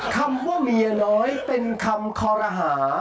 คำว่าเมียน้อยเป็นคำคอรหา